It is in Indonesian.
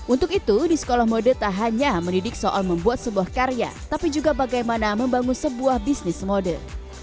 untuk itu di sekolah mode tak hanya mendidik soal membuat sebuah karya tapi juga bagaimana membangun sebuah bisnis mode